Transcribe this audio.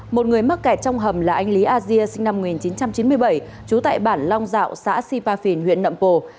một người mắc kẹt trong hầm là anh lý asia sinh năm một nghìn chín trăm chín mươi bảy trú tại bản long dạo xã sipafin huyện đậm bồ